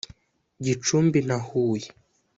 Gicumbi na Huye